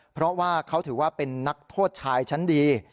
เพราะว่าเขาถือว่าเป็นนักโทษชายชั้นดี